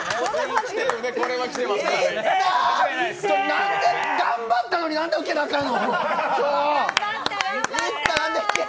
なんで頑張ったのに受けなあかんの！？